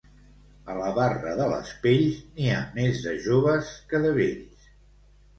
A la barra de les pells, n'hi ha més de joves que de vells.